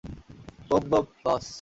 মমম, বস।